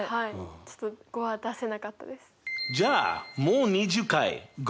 ちょっと５は出せなかったです。